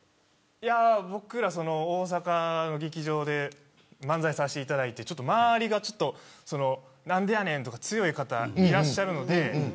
僕ら、大阪の劇場で漫才させていただいて周りがなんでやねんとか強い方、いらっしゃるので。